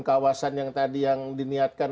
kawasan yang tadi yang diniatkan